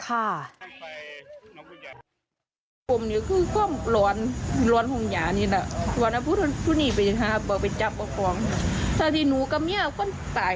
ว่าเป็นยังเป็นยังมั่งใดเป็นอย่างเข้าใจผิดก็พยายามบอกคนที่ตาย